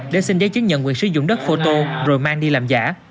để xin giấy chứng nhận quyền sử dụng đất phô tô rồi mang đi làm giả